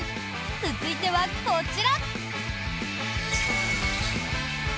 続いてはこちら！